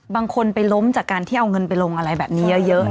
บางคนไปล้มจากการที่เอาเงินไปลงอะไรแบบนี้เยอะ